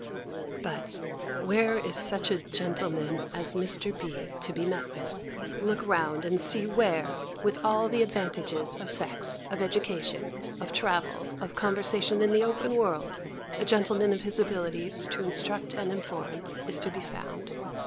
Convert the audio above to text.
But where is such a gentleman as Mr. B. to be met with? Look round and see where, with all the advantages of sex, of education, of travel, of conversation in the open world, a gentleman of his abilities to instruct and inform, is to be found?